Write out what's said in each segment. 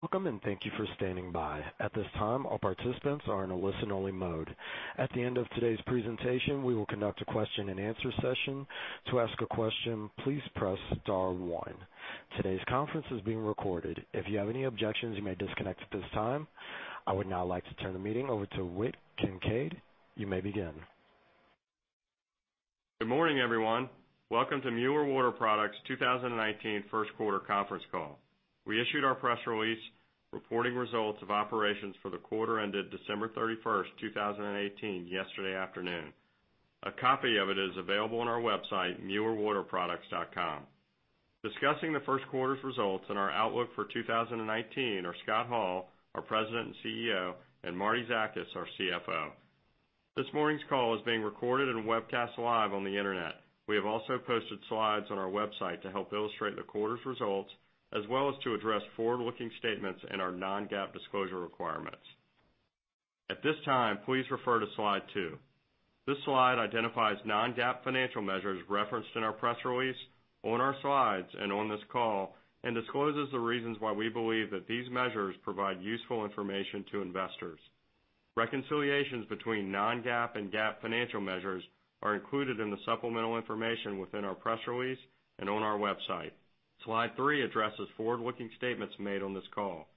Welcome. Thank you for standing by. At this time, all participants are in a listen-only mode. At the end of today's presentation, we will conduct a question and answer session. To ask a question, please press star one. Today's conference is being recorded. If you have any objections, you may disconnect at this time. I would now like to turn the meeting over to Whit Kincaid. You may begin. Good morning, everyone. Welcome to Mueller Water Products' 2019 first quarter conference call. We issued our press release reporting results of operations for the quarter ended December 31st, 2018, yesterday afternoon. A copy of it is available on our website, muellerwaterproducts.com. Discussing the first quarter's results and our outlook for 2019 are Scott Hall, our President and CEO, and Martie Zakas, our CFO. This morning's call is being recorded and webcast live on the internet. We have also posted slides on our website to help illustrate the quarter's results, as well as to address forward-looking statements and our non-GAAP disclosure requirements. At this time, please refer to slide two. This slide identifies non-GAAP financial measures referenced in our press release, on our slides, and on this call, and discloses the reasons why we believe that these measures provide useful information to investors. Reconciliations between non-GAAP and GAAP financial measures are included in the supplemental information within our press release and on our website. slide three addresses forward-looking statements made on this call.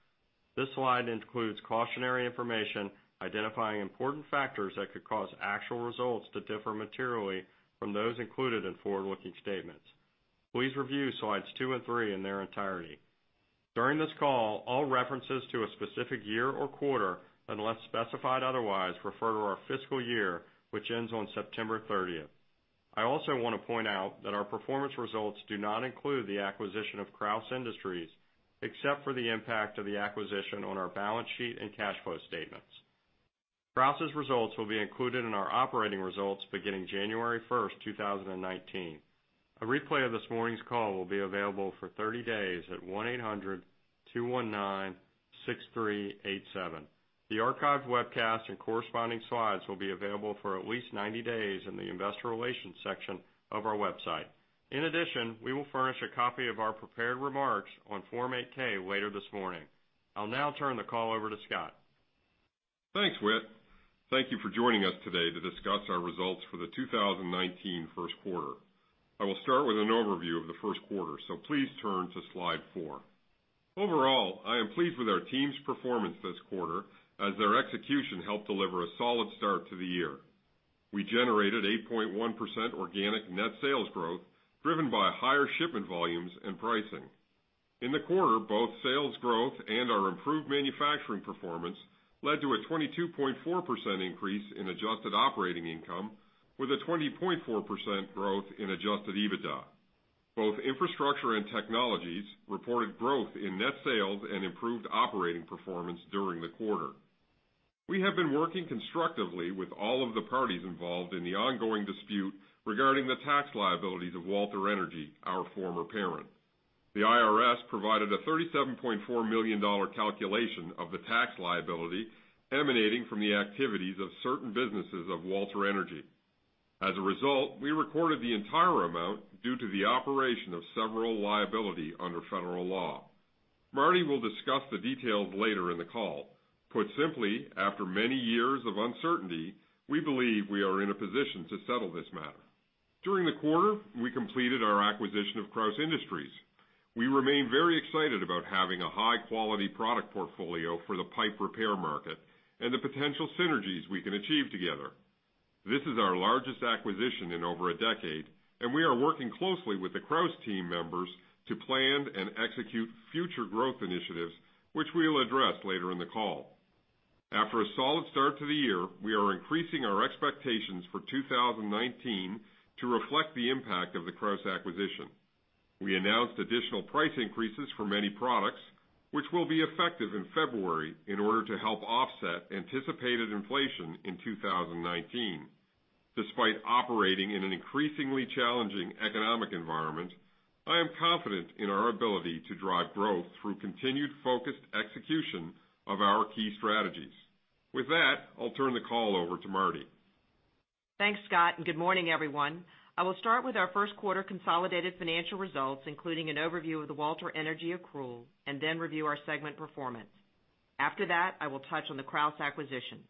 This slide includes cautionary information identifying important factors that could cause actual results to differ materially from those included in forward-looking statements. Please review slides two and three in their entirety. During this call, all references to a specific year or quarter, unless specified otherwise, refer to our fiscal year, which ends on September 30th. I also want to point out that our performance results do not include the acquisition of Krausz Industries, except for the impact of the acquisition on our balance sheet and cash flow statements. Krausz' results will be included in our operating results beginning January 1st, 2019. A replay of this morning's call will be available for 30 days at 1-800-219-6387. The archived webcast and corresponding slides will be available for at least 90 days in the investor relations section of our website. In addition, we will furnish a copy of our prepared remarks on Form 8-K later this morning. I'll now turn the call over to Scott. Thanks, Whit. Thank you for joining us today to discuss our results for the 2019 first quarter. I will start with an overview of the first quarter, so please turn to slide four. Overall, I am pleased with our team's performance this quarter, as their execution helped deliver a solid start to the year. We generated 8.1% organic net sales growth driven by higher shipment volumes and pricing. In the quarter, both sales growth and our improved manufacturing performance led to a 22.4% increase in adjusted operating income with a 20.4% growth in adjusted EBITDA. Both infrastructure and technologies reported growth in net sales and improved operating performance during the quarter. We have been working constructively with all of the parties involved in the ongoing dispute regarding the tax liabilities of Walter Energy, our former parent. The IRS provided a $37.4 million calculation of the tax liability emanating from the activities of certain businesses of Walter Energy. As a result, we recorded the entire amount due to the operation of several liability under federal law. Martie will discuss the details later in the call. Put simply, after many years of uncertainty, we believe we are in a position to settle this matter. During the quarter, we completed our acquisition of Krausz Industries. We remain very excited about having a high-quality product portfolio for the pipe repair market and the potential synergies we can achieve together. This is our largest acquisition in over a decade, and we are working closely with the Krausz team members to plan and execute future growth initiatives, which we'll address later in the call. After a solid start to the year, we are increasing our expectations for 2019 to reflect the impact of the Krausz acquisition. We announced additional price increases for many products, which will be effective in February in order to help offset anticipated inflation in 2019. Despite operating in an increasingly challenging economic environment, I am confident in our ability to drive growth through continued focused execution of our key strategies. With that, I'll turn the call over to Martie. Thanks, Scott, and good morning, everyone. I will start with our first quarter consolidated financial results, including an overview of the Walter Energy accrual, and then review our segment performance. After that, I will touch on the Krausz acquisition.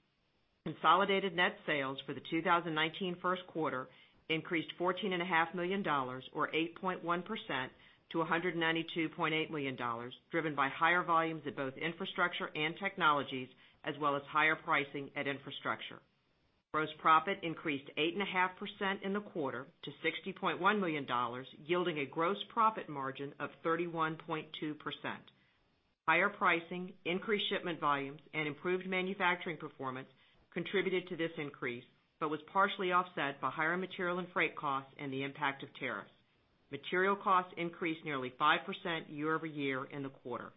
Consolidated net sales for the 2019 first quarter increased $14.5 million, or 8.1%, to $192.8 million, driven by higher volumes at both infrastructure and technologies, as well as higher pricing at infrastructure. Gross profit increased 8.5% in the quarter to $60.1 million, yielding a gross profit margin of 31.2%. Higher pricing, increased shipment volumes, and improved manufacturing performance contributed to this increase but was partially offset by higher material and freight costs and the impact of tariffs. Material costs increased nearly 5% year-over-year in the quarter.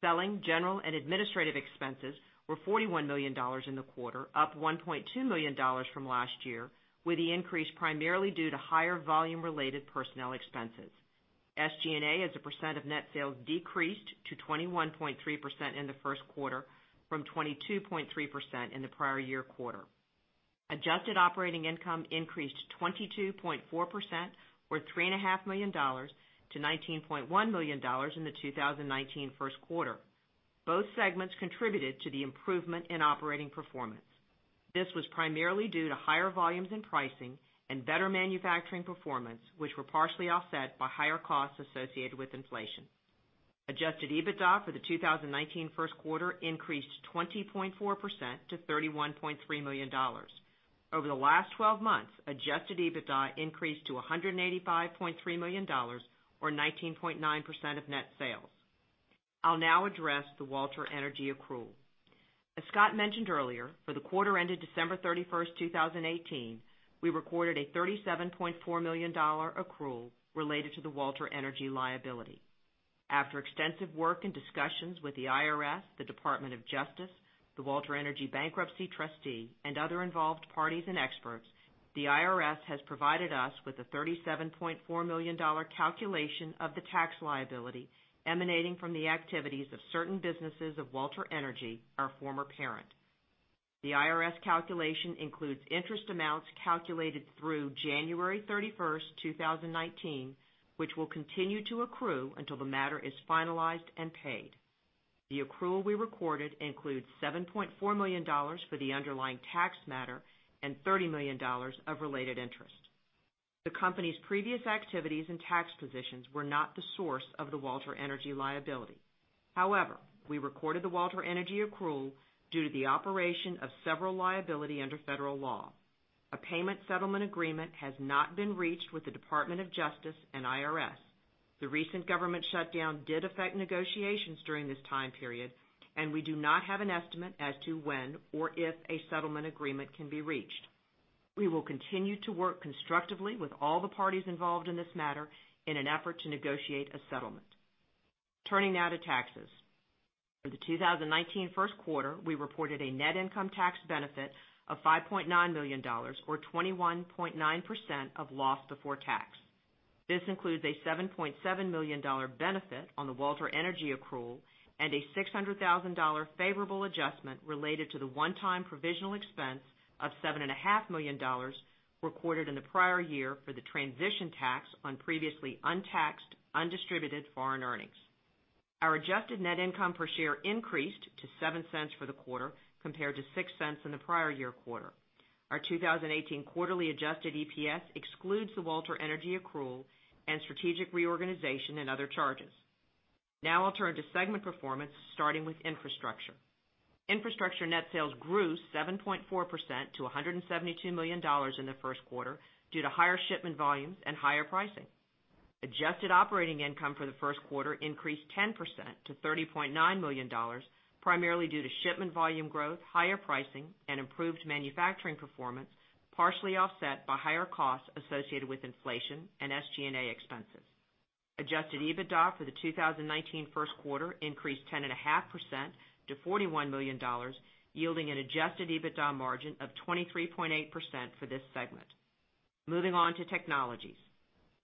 Selling, general, and administrative expenses were $41 million in the quarter, up $1.2 million from last year, with the increase primarily due to higher volume-related personnel expenses. SG&A as a percent of net sales decreased to 21.3% in the first quarter from 22.3% in the prior year quarter. Adjusted operating income increased 22.4%, or $3.5 million to $19.1 million in the 2019 first quarter. Both segments contributed to the improvement in operating performance. This was primarily due to higher volumes in pricing and better manufacturing performance, which were partially offset by higher costs associated with inflation. Adjusted EBITDA for the 2019 first quarter increased 20.4% to $31.3 million. Over the last 12 months, adjusted EBITDA increased to $185.3 million or 19.9% of net sales. I'll now address the Walter Energy accrual. As Scott mentioned earlier, for the quarter ended December 31st, 2018, we recorded a $37.4 million accrual related to the Walter Energy liability. After extensive work and discussions with the IRS, the Department of Justice, the Walter Energy bankruptcy trustee, and other involved parties and experts, the IRS has provided us with a $37.4 million calculation of the tax liability emanating from the activities of certain businesses of Walter Energy, our former parent. The IRS calculation includes interest amounts calculated through January 31st, 2019, which will continue to accrue until the matter is finalized and paid. The accrual we recorded includes $7.4 million for the underlying tax matter and $30 million of related interest. The company's previous activities and tax positions were not the source of the Walter Energy liability. However, we recorded the Walter Energy accrual due to the operation of several liability under federal law. A payment settlement agreement has not been reached with the Department of Justice and IRS. The recent government shutdown did affect negotiations during this time period, we do not have an estimate as to when or if a settlement agreement can be reached. We will continue to work constructively with all the parties involved in this matter in an effort to negotiate a settlement. Turning now to taxes. For the 2019 first quarter, we reported a net income tax benefit of $5.9 million, or 21.9% of loss before tax. This includes a $7.7 million benefit on the Walter Energy accrual and a $600,000 favorable adjustment related to the one-time provisional expense of $7.5 million recorded in the prior year for the transition tax on previously untaxed, undistributed foreign earnings. Our adjusted net income per share increased to $0.07 for the quarter compared to $0.06 in the prior year quarter. Our 2018 quarterly adjusted EPS excludes the Walter Energy accrual and strategic reorganization and other charges. Now I'll turn to segment performance starting with infrastructure. Infrastructure net sales grew 7.4% to $172 million in the first quarter due to higher shipment volumes and higher pricing. Adjusted operating income for the first quarter increased 10% to $30.9 million, primarily due to shipment volume growth, higher pricing, and improved manufacturing performance, partially offset by higher costs associated with inflation and SG&A expenses. Adjusted EBITDA for the 2019 first quarter increased 10.5% to $41 million, yielding an adjusted EBITDA margin of 23.8% for this segment. Moving on to technologies.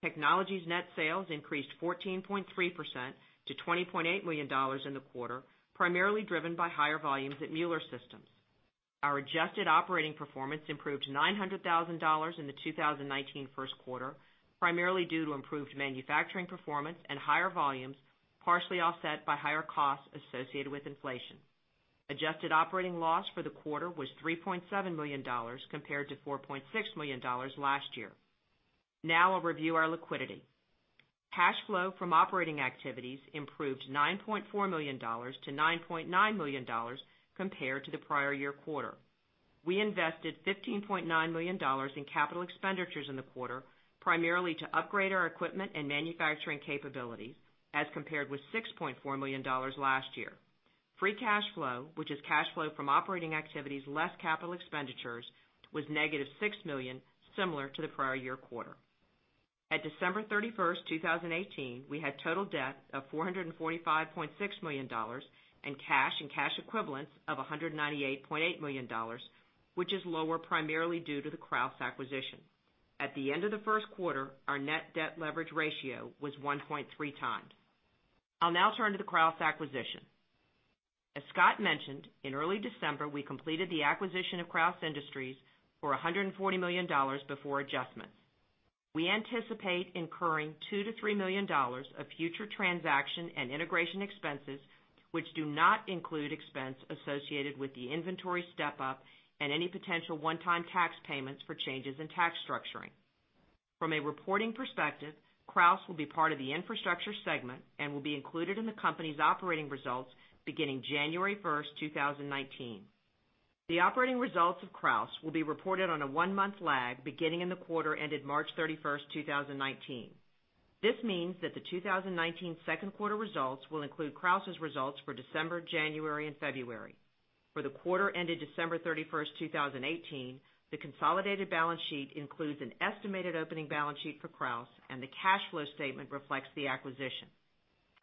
Technologies net sales increased 14.3% to $20.8 million in the quarter, primarily driven by higher volumes at Mueller Systems. Our adjusted operating performance improved $900,000 in the 2019 first quarter, primarily due to improved manufacturing performance and higher volumes, partially offset by higher costs associated with inflation. Adjusted operating loss for the quarter was $3.7 million compared to $4.6 million last year. I'll review our liquidity. Cash flow from operating activities improved $9.4 million to $9.9 million compared to the prior year quarter. We invested $15.9 million in capital expenditures in the quarter, primarily to upgrade our equipment and manufacturing capabilities, as compared with $6.4 million last year. Free cash flow, which is cash flow from operating activities less capital expenditures, was -$6 million, similar to the prior year quarter. At December 31st, 2018, we had total debt of $445.6 million and cash and cash equivalents of $198.8 million, which is lower primarily due to the Krausz acquisition. At the end of the first quarter, our net debt leverage ratio was 1.3x. I'll turn to the Krausz acquisition. As Scott mentioned, in early December, we completed the acquisition of Krausz Industries for $140 million before adjustments. We anticipate incurring $2 million-$3 million of future transaction and integration expenses, which do not include expense associated with the inventory step-up and any potential one-time tax payments for changes in tax structuring. From a reporting perspective, Krausz will be part of the infrastructure segment and will be included in the company's operating results beginning January 1st, 2019. The operating results of Krausz will be reported on a one-month lag beginning in the quarter ended March 31st, 2019. This means that the 2019 second quarter results will include Krausz' results for December, January, and February. For the quarter ended December 31st, 2018, the consolidated balance sheet includes an estimated opening balance sheet for Krausz and the cash flow statement reflects the acquisition.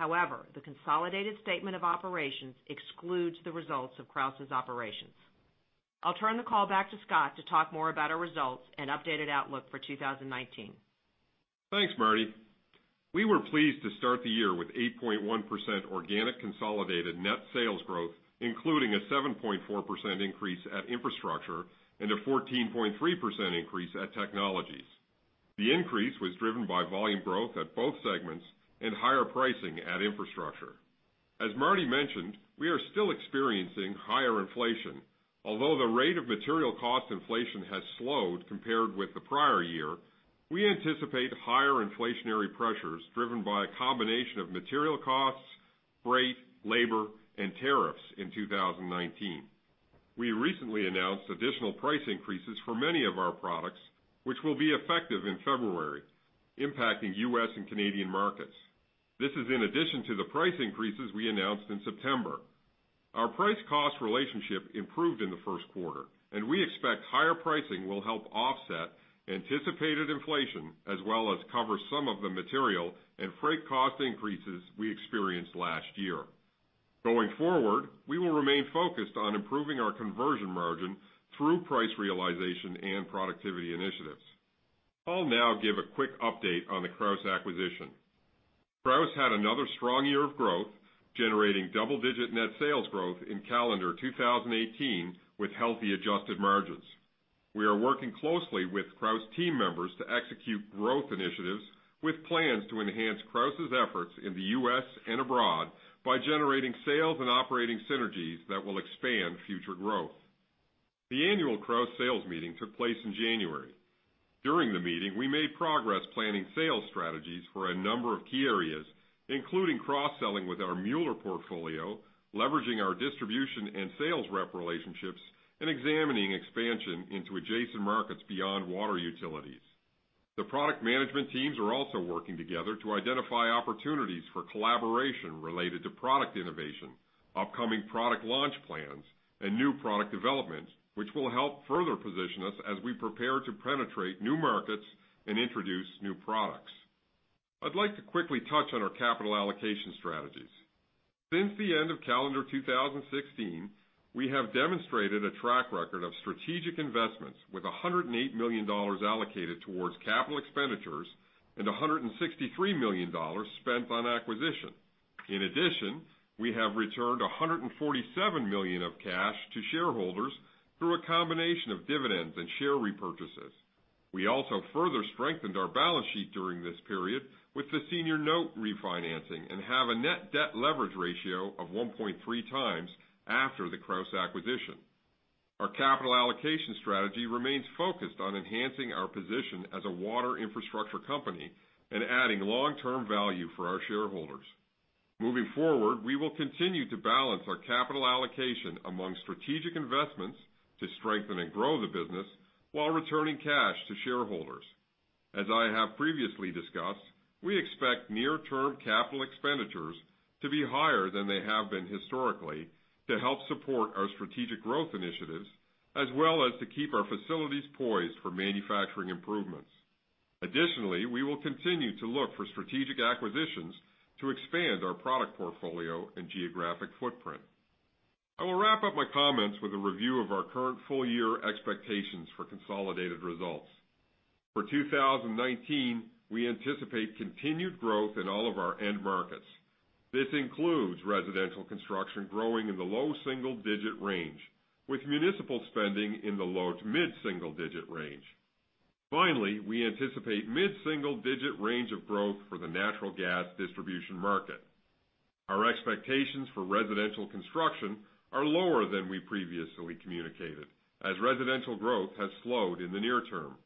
The consolidated statement of operations excludes the results of Krausz' operations. I'll turn the call back to Scott to talk more about our results and updated outlook for 2019. Thanks, Martie. We were pleased to start the year with 8.1% organic consolidated net sales growth, including a 7.4% increase at Infrastructure and a 14.3% increase at Technologies. The increase was driven by volume growth at both segments and higher pricing at Infrastructure. As Martie mentioned, we are still experiencing higher inflation. The rate of material cost inflation has slowed compared with the prior year, we anticipate higher inflationary pressures driven by a combination of material costs, freight, labor, and tariffs in 2019. We recently announced additional price increases for many of our products, which will be effective in February, impacting U.S. and Canadian markets. This is in addition to the price increases we announced in September. Our price-cost relationship improved in the first quarter. We expect higher pricing will help offset anticipated inflation, as well as cover some of the material and freight cost increases we experienced last year. Going forward, we will remain focused on improving our conversion margin through price realization and productivity initiatives. I'll now give a quick update on the Krausz acquisition. Krausz had another strong year of growth, generating double-digit net sales growth in calendar 2018 with healthy adjusted margins. We are working closely with Krausz team members to execute growth initiatives with plans to enhance Krausz' efforts in the U.S. and abroad by generating sales and operating synergies that will expand future growth. The annual Krausz sales meeting took place in January. During the meeting, we made progress planning sales strategies for a number of key areas, including cross-selling with our Mueller portfolio, leveraging our distribution and sales rep relationships, and examining expansion into adjacent markets beyond water utilities. The product management teams are also working together to identify opportunities for collaboration related to product innovation, upcoming product launch plans, and new product development, which will help further position us as we prepare to penetrate new markets and introduce new products. I'd like to quickly touch on our capital allocation strategies. Since the end of calendar 2016, we have demonstrated a track record of strategic investments with $108 million allocated towards capital expenditures and $163 million spent on acquisition. In addition, we have returned $147 million of cash to shareholders through a combination of dividends and share repurchases. We also further strengthened our balance sheet during this period with the senior note refinancing and have a net debt leverage ratio of 1.3x after the Krausz acquisition. Our capital allocation strategy remains focused on enhancing our position as a water infrastructure company and adding long-term value for our shareholders. Moving forward, we will continue to balance our capital allocation among strategic investments to strengthen and grow the business while returning cash to shareholders. As I have previously discussed, we expect near-term capital expenditures to be higher than they have been historically to help support our strategic growth initiatives, as well as to keep our facilities poised for manufacturing improvements. Additionally, we will continue to look for strategic acquisitions to expand our product portfolio and geographic footprint. I will wrap up my comments with a review of our current full-year expectations for consolidated results. For 2019, we anticipate continued growth in all of our end markets. This includes residential construction growing in the low single-digit range, with municipal spending in the low to mid-single digit range. Finally, we anticipate mid-single-digit range of growth for the natural gas distribution market. Our expectations for residential construction are lower than we previously communicated, as residential growth has slowed in the near term.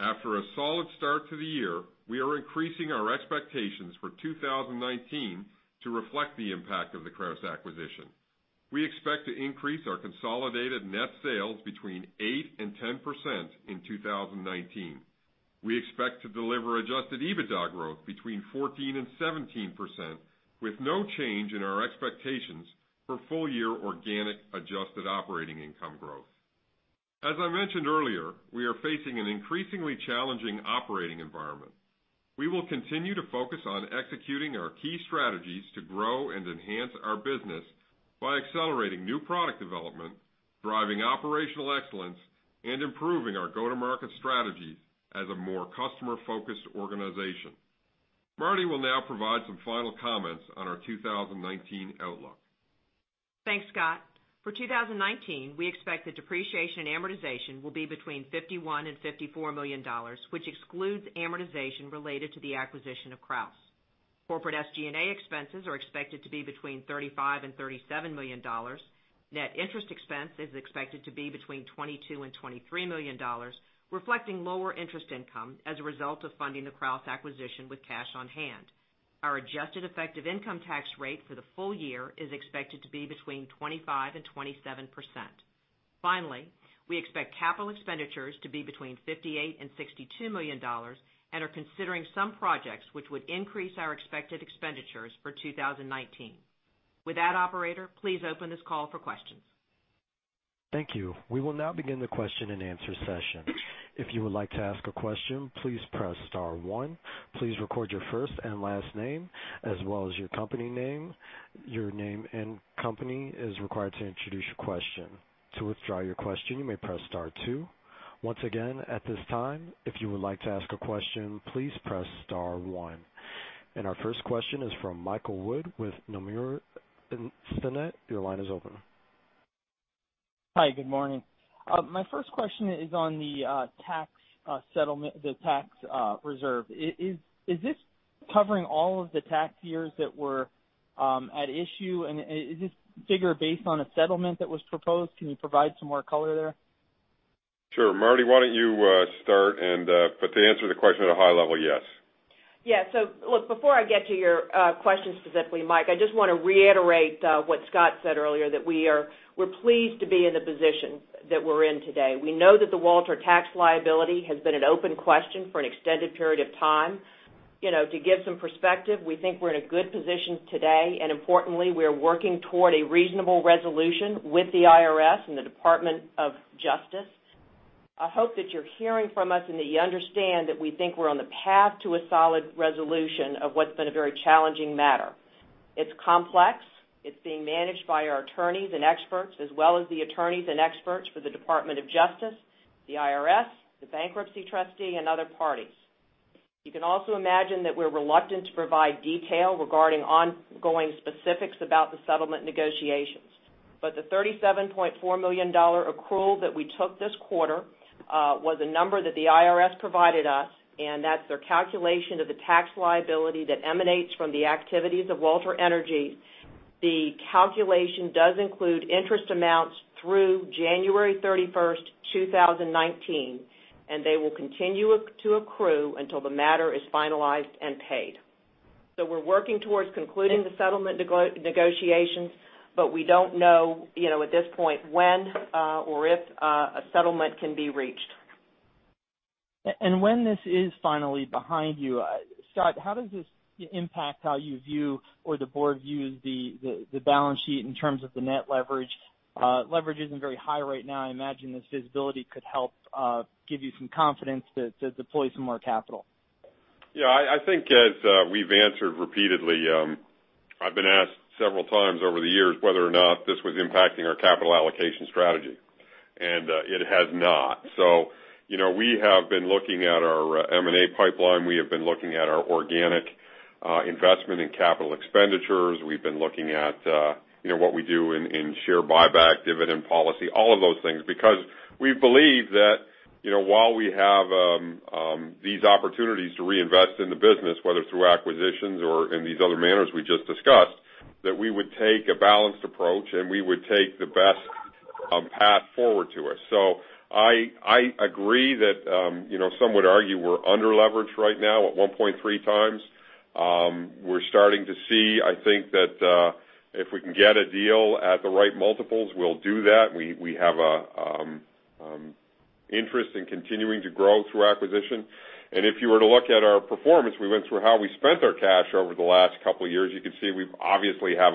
After a solid start to the year, we are increasing our expectations for 2019 to reflect the impact of the Krausz acquisition. We expect to increase our consolidated net sales between 8% and 10% in 2019. We expect to deliver adjusted EBITDA growth between 14% and 17%, with no change in our expectations for full-year organic adjusted operating income growth. As I mentioned earlier, we are facing an increasingly challenging operating environment. We will continue to focus on executing our key strategies to grow and enhance our business by accelerating new product development, driving operational excellence, and improving our go-to-market strategies as a more customer-focused organization. Martie will now provide some final comments on our 2019 outlook. Thanks, Scott. For 2019, we expect that depreciation and amortization will be between $51 million and $54 million, which excludes amortization related to the acquisition of Krausz. Corporate SG&A expenses are expected to be between $35 million and $37 million. Net interest expense is expected to be between $22 million and $23 million, reflecting lower interest income as a result of funding the Krausz acquisition with cash on hand. Our adjusted effective income tax rate for the full year is expected to be between 25% and 27%. We expect capital expenditures to be between $58 million and $62 million and are considering some projects which would increase our expected expenditures for 2019. With that, operator, please open this call for questions. Thank you. We will now begin the question and answer session. If you would like to ask a question, please press star one. Please record your first and last name as well as your company name. Your name and company is required to introduce your question. To withdraw your question, you may press star two. Once again, at this time, if you would like to ask a question, please press star one. Our first question is from Michael Wood with Nomura Instinet. Your line is open. Hi, good morning. My first question is on the tax reserve. Is this covering all of the tax years that were at issue, and is this figure based on a settlement that was proposed? Can you provide some more color there? Sure. Martie, why don't you start? To answer the question at a high level, yes. Yeah. Look, before I get to your question specifically, Mike, I just want to reiterate what Scott said earlier, that we're pleased to be in the position that we're in today. We know that the Walter Energy tax liability has been an open question for an extended period of time. To give some perspective, we think we're in a good position today, and importantly, we are working toward a reasonable resolution with the IRS and the Department of Justice. I hope that you're hearing from us and that you understand that we think we're on the path to a solid resolution of what's been a very challenging matter. It's complex. It's being managed by our attorneys and experts, as well as the attorneys and experts for the Department of Justice, the IRS, the bankruptcy trustee, and other parties. You can also imagine that we're reluctant to provide detail regarding ongoing specifics about the settlement negotiations. The $37.4 million accrual that we took this quarter was a number that the IRS provided us, and that's their calculation of the tax liability that emanates from the activities of Walter Energy. The calculation does include interest amounts through January 31st, 2019, and they will continue to accrue until the matter is finalized and paid. We're working towards concluding the settlement negotiations, we don't know at this point when or if a settlement can be reached. When this is finally behind you, Scott, how does this impact how you view or the board views the balance sheet in terms of the net leverage? Leverage isn't very high right now. I imagine this visibility could help give you some confidence to deploy some more capital. Yeah. I think as we've answered repeatedly, I've been asked several times over the years whether or not this was impacting our capital allocation strategy. It has not. We have been looking at our M&A pipeline. We have been looking at our organic investment in capital expenditures. We've been looking at what we do in share buyback, dividend policy, all of those things, because we believe that while we have these opportunities to reinvest in the business, whether through acquisitions or in these other manners we just discussed, that we would take a balanced approach, and we would take the best path forward to it. I agree that some would argue we're under-leveraged right now at 1.3x. We're starting to see, I think that if we can get a deal at the right multiples, we'll do that. We have an interest in continuing to grow through acquisition. If you were to look at our performance, we went through how we spent our cash over the last couple of years. You can see we obviously have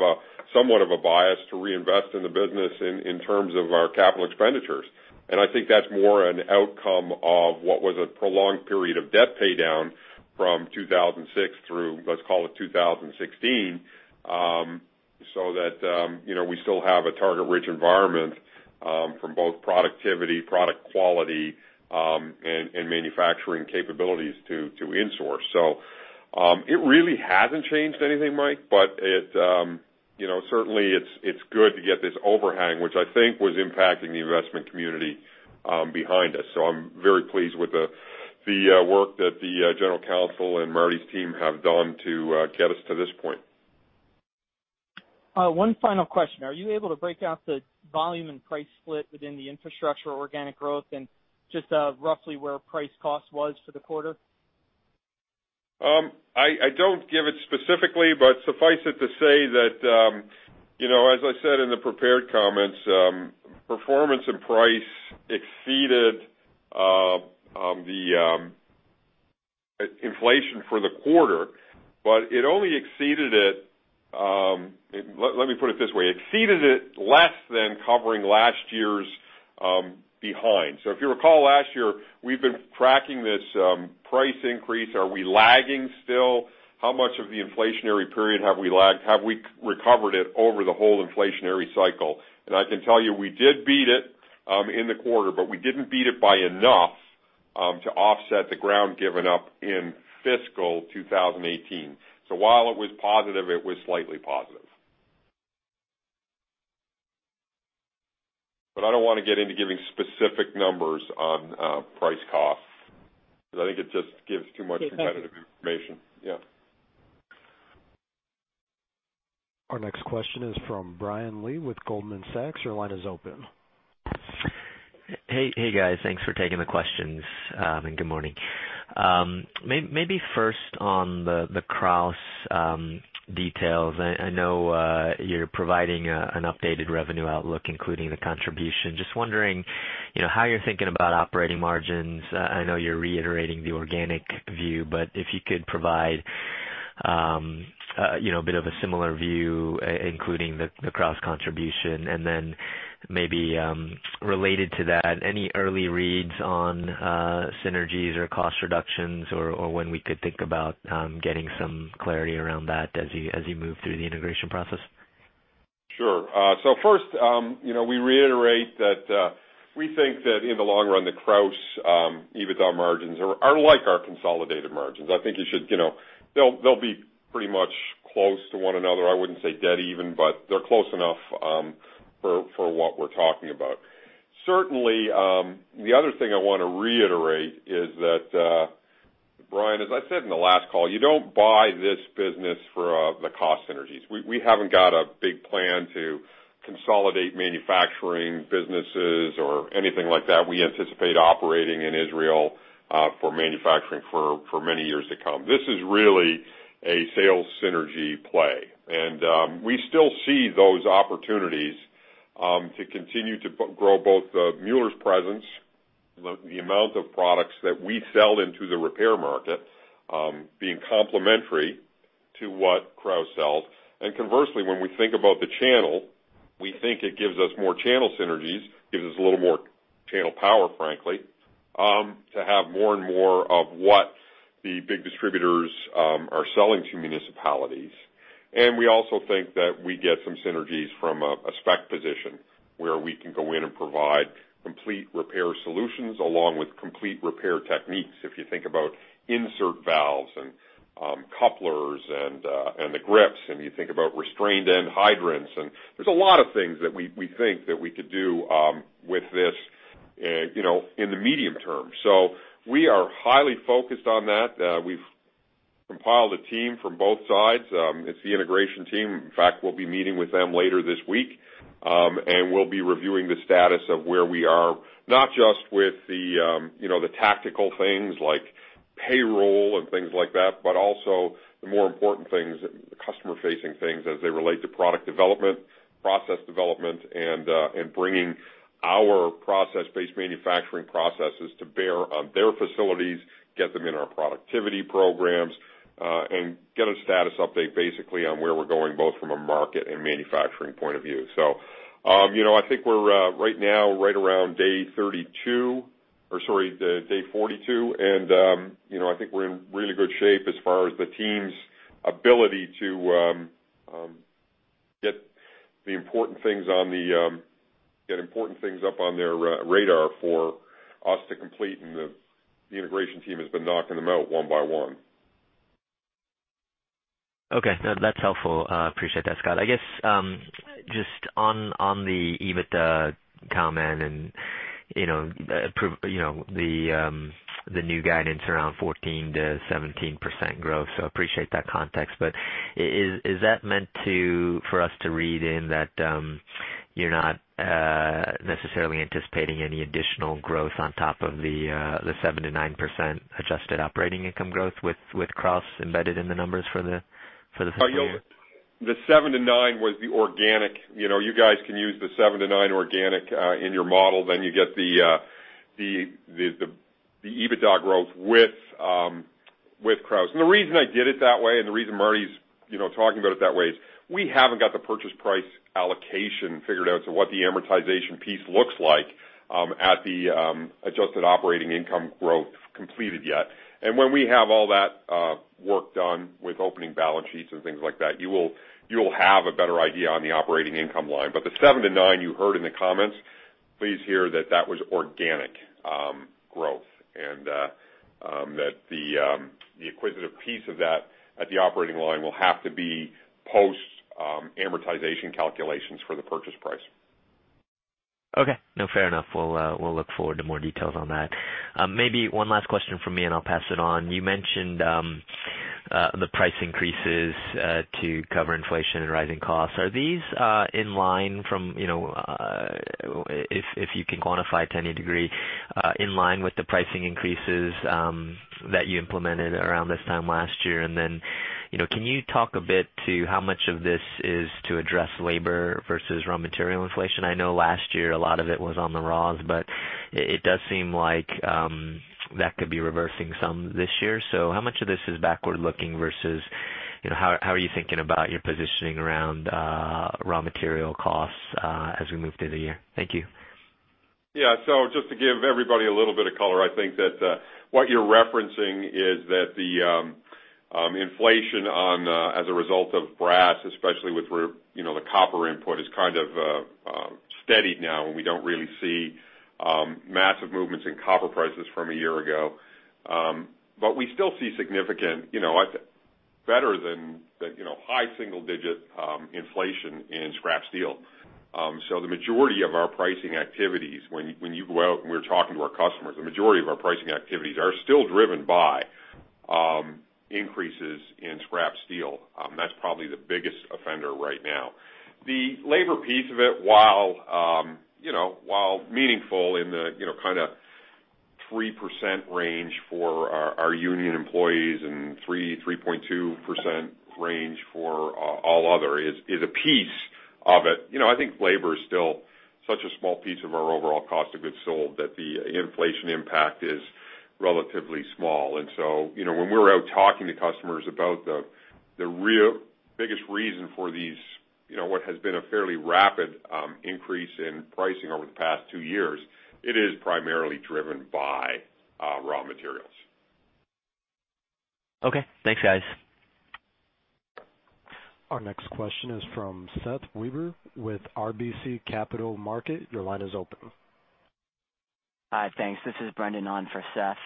somewhat of a bias to reinvest in the business in terms of our capital expenditures. I think that's more an outcome of what was a prolonged period of debt paydown from 2006 through, let's call it 2016, so that we still have a target-rich environment from both productivity, product quality, and manufacturing capabilities to insource. It really hasn't changed anything, Mike, but certainly it's good to get this overhang, which I think was impacting the investment community behind us. I'm very pleased with the work that the general counsel and Martie's team have done to get us to this point. One final question. Are you able to break out the volume and price split within the infrastructure organic growth and just roughly where price cost was for the quarter? I don't give it specifically, but suffice it to say that as I said in the prepared comments, performance and price exceeded the inflation for the quarter, but it only exceeded it. Let me put it this way. Exceeded it less than covering last year's behind. If you recall last year, we've been tracking this price increase. Are we lagging still? How much of the inflationary period have we lagged? Have we recovered it over the whole inflationary cycle? I can tell you we did beat it in the quarter, but we didn't beat it by enough to offset the ground given up in fiscal 2018. While it was positive, it was slightly positive. I don't want to get into giving specific numbers on price cost because I think it just gives too much competitive information. Yeah. Our next question is from Brian Lee with Goldman Sachs. Your line is open. Hey, guys. Thanks for taking the questions, and good morning. Maybe first on the Krausz details. I know you're providing an updated revenue outlook, including the contribution. Just wondering how you're thinking about operating margins. I know you're reiterating the organic view, but if you could provide a bit of a similar view, including the Krausz contribution. Maybe related to that, any early reads on synergies or cost reductions, or when we could think about getting some clarity around that as you move through the integration process? Sure. First, we reiterate that we think that in the long run, the Krausz EBITDA margins are like our consolidated margins. I think they'll be pretty much close to one another. I wouldn't say dead even, but they're close enough for what we're talking about. The other thing I want to reiterate is that, Brian, as I said in the last call, you don't buy this business for the cost synergies. We haven't got a big plan to consolidate manufacturing businesses or anything like that. We anticipate operating in Israel for manufacturing for many years to come. This is really a sales synergy play, and we still see those opportunities to continue to grow both Mueller's presence, the amount of products that we sell into the repair market being complementary to what Krausz sells. Conversely, when we think about the channel, we think it gives us more channel synergies, gives us a little more channel power, frankly, to have more and more of what the big distributors are selling to municipalities. We also think that we get some synergies from a spec position, where we can go in and provide complete repair solutions along with complete repair techniques. If you think about insert valves and couplers and the grips, and you think about restrained end hydrants. There's a lot of things that we think that we could do with this in the medium term. We are highly focused on that. We've compiled a team from both sides. It's the integration team. In fact, we'll be meeting with them later this week. We'll be reviewing the status of where we are, not just with the tactical things like payroll and things like that, but also the more important things, the customer-facing things as they relate to product development, process development, and bringing our process-based manufacturing processes to bear on their facilities, get them in our productivity programs. Get a status update basically on where we're going, both from a market and manufacturing point of view. I think we're right now right around day 32 or, sorry, day 42. I think we're in really good shape as far as the team's ability to get important things up on their radar for us to complete, and the integration team has been knocking them out one by one. Okay. No, that's helpful. Appreciate that, Scott. I guess, just on the EBITDA comment and the new guidance around 14%-17% growth. Appreciate that context, but is that meant for us to read in that you're not necessarily anticipating any additional growth on top of the 7%-9% adjusted operating income growth with Krausz embedded in the numbers for the full year? The 7%-9% was the organic. You guys can use the 7%-9% organic in your model. You get the EBITDA growth with Krausz. The reason I did it that way, and the reason Martie's talking about it that way is we haven't got the purchase price allocation figured out to what the amortization piece looks like at the adjusted operating income growth completed yet. When we have all that work done with opening balance sheets and things like that, you will have a better idea on the operating income line. The 7%-9% you heard in the comments, please hear that that was organic growth, and that the acquisitive piece of that at the operating line will have to be post-amortization calculations for the purchase price. Okay. No, fair enough. We'll look forward to more details on that. Maybe one last question from me, and I'll pass it on. You mentioned the price increases to cover inflation and rising costs. Are these in line from, if you can quantify to any degree, in line with the pricing increases that you implemented around this time last year? Then, can you talk a bit to how much of this is to address labor versus raw material inflation? I know last year a lot of it was on the raws, but it does seem like that could be reversing some this year. How much of this is backward-looking versus how are you thinking about your positioning around raw material costs as we move through the year? Thank you. Yeah. Just to give everybody a little bit of color, I think that what you're referencing is that the inflation as a result of brass, especially with the copper input, has kind of steadied now, and we don't really see massive movements in copper prices from a year ago. We still see significant, better than high single-digit inflation in scrap steel. The majority of our pricing activities, when you go out and we're talking to our customers, the majority of our pricing activities are still driven by increases in scrap steel. That's probably the biggest offender right now. The labor piece of it, while meaningful in the kind of 3% range for our union employees and 3.2% range for all other, is a piece of it. I think labor is still such a small piece of our overall cost of goods sold that the inflation impact is relatively small. When we're out talking to customers about the real biggest reason for these, what has been a fairly rapid increase in pricing over the past two years, it is primarily driven by raw materials. Okay. Thanks, guys. Our next question is from Seth Weber with RBC Capital Markets. Your line is open. Hi. Thanks. This is Brendan on for Seth.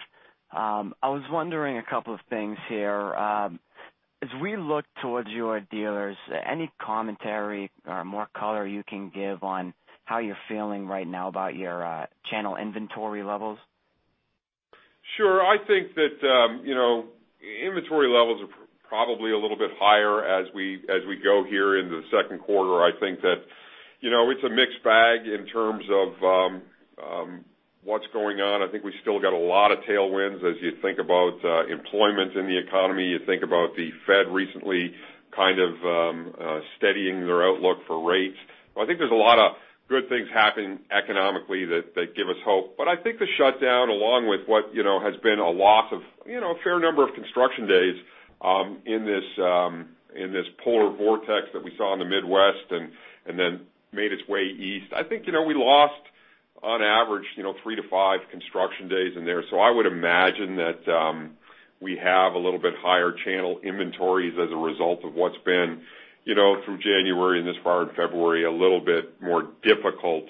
I was wondering a couple of things here. As we look towards your dealers, any commentary or more color you can give on how you're feeling right now about your channel inventory levels? Sure. I think that inventory levels are probably a little bit higher as we go here into the second quarter. I think that it's a mixed bag in terms of what's going on. I think we still got a lot of tailwinds as you think about employment in the economy, you think about the Fed recently kind of steadying their outlook for rates. I think there's a lot of good things happening economically that give us hope. I think the shutdown, along with what has been a loss of a fair number of construction days in this polar vortex that we saw in the Midwest and then made its way east. I think we lost, on average, three to five construction days in there. I would imagine that we have a little bit higher channel inventories as a result of what's been, through January and this part of February, a little bit more difficult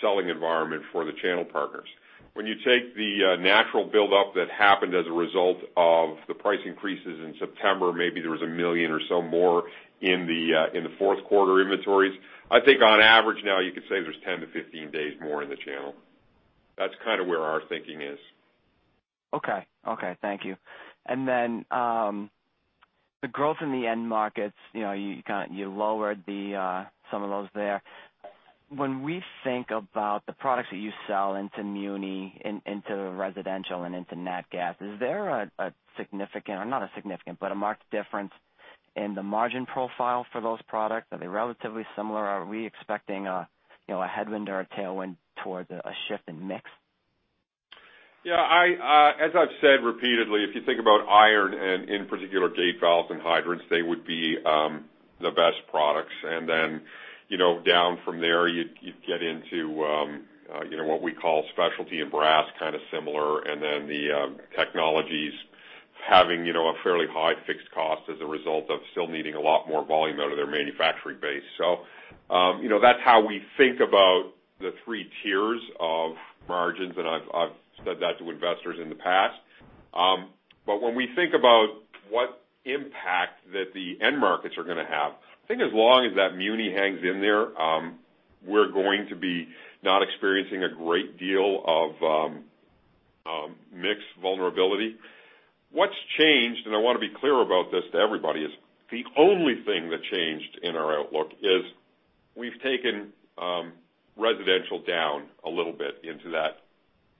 selling environment for the channel partners. When you take the natural buildup that happened as a result of the price increases in September, maybe there was a million or so more in the fourth quarter inventories. I think on average now you could say there's 10-15 days more in the channel. That's kind of where our thinking is. Okay. Thank you. The growth in the end markets, you lowered some of those there. When we think about the products that you sell into muni, into residential, and into nat gas, is there a marked difference in the margin profile for those products? Are they relatively similar? Are we expecting a headwind or a tailwind towards a shift in mix? Yeah. As I've said repeatedly, if you think about iron and in particular gate valves and hydrants, they would be the best products. Down from there, you'd get into what we call specialty and brass, kind of similar. The technologies having a fairly high fixed cost as a result of still needing a lot more volume out of their manufacturing base. That's how we think about the three tiers of margins, and I've said that to investors in the past. When we think about what impact that the end markets are going to have, I think as long as that muni hangs in there, we're going to be not experiencing a great deal of mix vulnerability. What's changed, and I want to be clear about this to everybody, is the only thing that changed in our outlook is we've taken residential down a little bit into that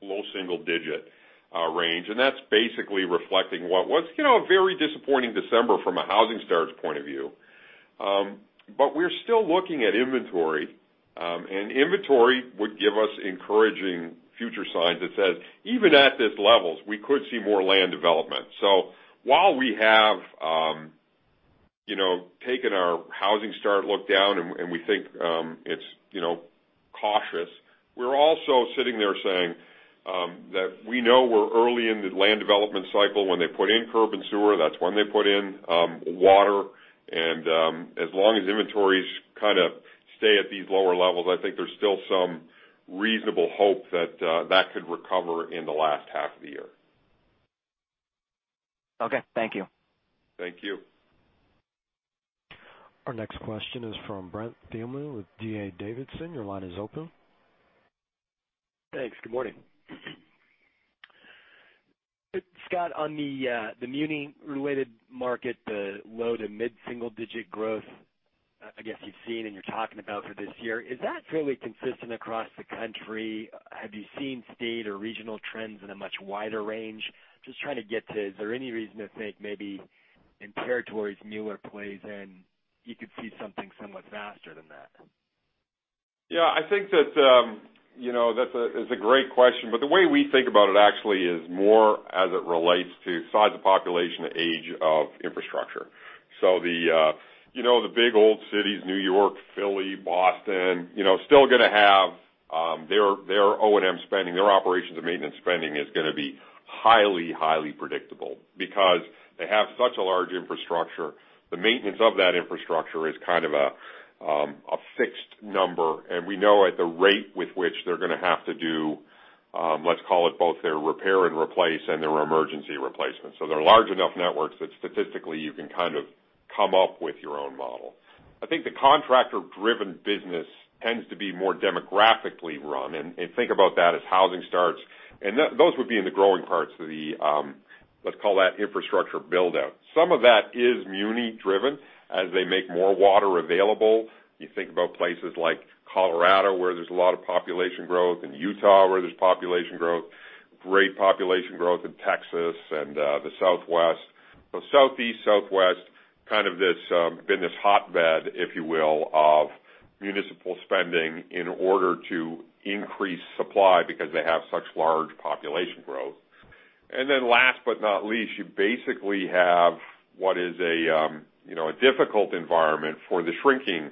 low single-digit range, and that's basically reflecting what was a very disappointing December from a housing starts point of view. We're still looking at inventory, and inventory would give us encouraging future signs that says even at these levels, we could see more land development. While we have taken our housing start look down, and we think it's cautious, we're also sitting there saying that we know we're early in the land development cycle. When they put in curb and sewer, that's when they put in water, as long as inventories kind of stay at these lower levels, I think there's still some reasonable hope that that could recover in the last half of the year. Okay. Thank you. Thank you. Our next question is from Brent Thielman with D.A. Davidson. Your line is open. Thanks. Good morning. Scott, on the muni-related market, the low to mid-single digit growth, I guess you've seen and you're talking about for this year, is that fairly consistent across the country? Have you seen state or regional trends in a much wider range? Just trying to get to, is there any reason to think maybe in territories Mueller plays in, you could see something somewhat faster than that? Yeah, I think that's a great question, but the way we think about it actually is more as it relates to size of population to age of infrastructure. The big old cities, New York, Philly, Boston, still going to have their O&M spending, their operations and maintenance spending is going to be highly predictable because they have such a large infrastructure. The maintenance of that infrastructure is kind of a fixed number, and we know at the rate with which they're going to have to do, let's call it both their repair and replace and their emergency replacements. They're large enough networks that statistically you can kind of come up with your own model. I think the contractor-driven business tends to be more demographically run, and think about that as housing starts. Those would be in the growing parts of the, let's call that infrastructure build-out. Some of that is muni-driven as they make more water available. You think about places like Colorado, where there's a lot of population growth, and Utah, where there's population growth. Great population growth in Texas and the Southwest. Southeast, Southwest, kind of been this hotbed, if you will, of municipal spending in order to increase supply because they have such large population growth. Last but not least, you basically have what is a difficult environment for the shrinking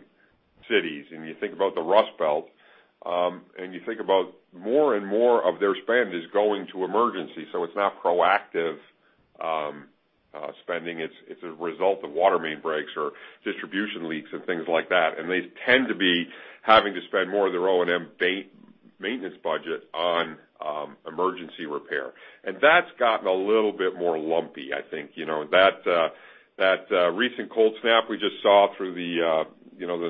cities, and you think about the Rust Belt, more and more of their spend is going to emergency. It's not proactive spending. It's a result of water main breaks or distribution leaks and things like that. They tend to be having to spend more of their O&M maintenance budget on emergency repair. That's gotten a little bit more lumpy, I think. That recent cold snap we just saw through the